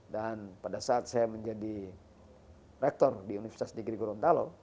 dan pada saat saya menjadi rektor di universitas negeri gorontalo